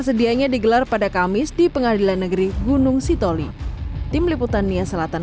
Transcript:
sedianya digelar pada kamis di pengadilan negeri gunung sitoli tim liputan nia selatan